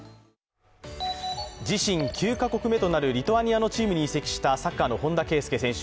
自身９カ国目となるリトアニアのチームに移籍したサッカーの本田圭佑選手。